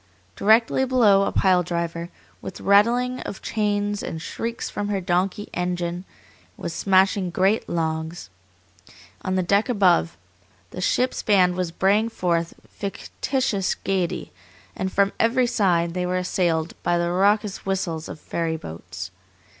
Directly below a pile driver, with rattling of chains and shrieks from her donkey engine, was smashing great logs; on the deck above, the ship's band was braying forth fictitious gayety, and from every side they were assailed by the raucous whistles of ferry boats.